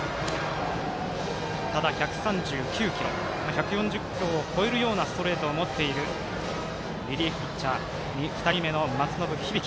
１４０キロを超えるようなストレートを持っているリリーフピッチャー２人目の松延響。